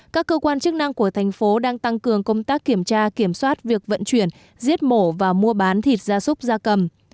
các cơ quan chức năng của tp hcm đang tăng cường công tác kiểm tra kiểm soát việc vận chuyển giết mổ và mua bán thịt gia súc gia cầm